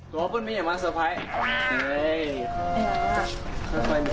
ตรงนี้อยากมาเซอร์ไพรส์